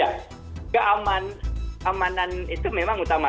ya keamanan itu memang utama